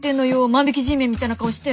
万引きＧメンみたいな顔して。